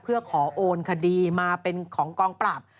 เพื่อขอโอนคดีมาเป็นของกองปราบ